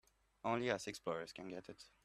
Only us explorers can get it.